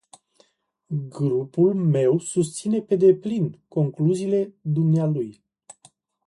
Grupul meu susține pe deplin concluziile dumnealui.